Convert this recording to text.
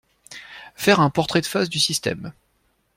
Faire un portrait de phase du système